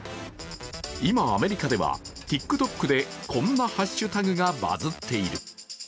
今アメリカではＴｉｋＴｏｋでこんなハッシュタグがバズっている。